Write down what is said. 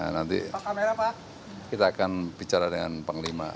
nanti kita akan bicara dengan panglima